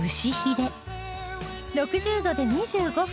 ６０度で２５分